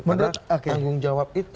karena tanggung jawab itu